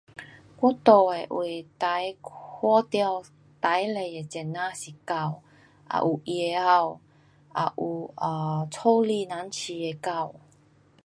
我住的位最看到最多的真的是狗，也有野狗，也有啊家里人养的狗。